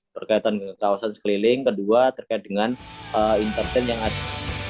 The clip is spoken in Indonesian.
berkaitan dengan kawasan sekeliling kedua terkait dengan intertain yang ada